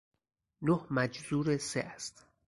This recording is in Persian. نه مجذور سه است.